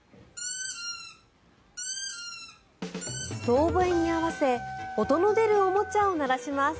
遠ぼえに合わせ音の出るおもちゃを鳴らします。